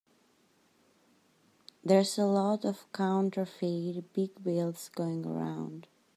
There's a lot of counterfeit big bills going around.